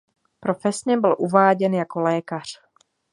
Profesně byl uváděn jako lékař.